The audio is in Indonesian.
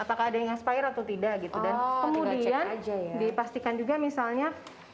apakah ada yang aspire atau tidak gitu dan kemudian dipastikan juga misalnya